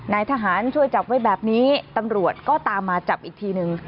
นายทหารช่วยจับไว้แบบนี้ตำรวจก็ตามมาจับอีกทีนึง